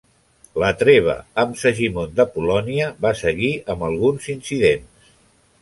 La treva amb Segimon de Polònia va seguir amb alguns incidents.